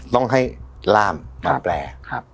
ต้องให้ล่ามมาแปล